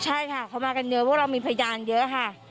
ใช่ค่ะเขามากันเยอะพวกเรามีพยานเยอะค่ะ